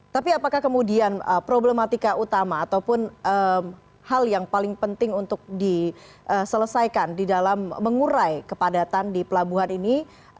tapi apakah kemudian problematika utama ataupun hal yang paling penting untuk diselesaikan di dalam mengurai kepadatan di pelabuhan ini